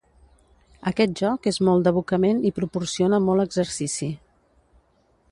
Aquest joc és molt d'abocament i proporciona molt exercici.